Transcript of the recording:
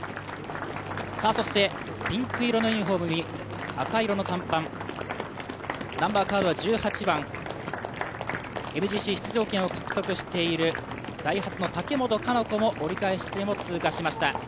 そして、ピンク色のユニフォームに赤色の短パン１８番、ＭＧＣ出場権を獲得しているダイハツの竹本香奈子も折り返し地点を通過しました。